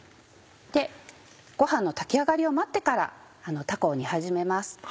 ご飯の炊き上がりを待ってからたこを煮始めます。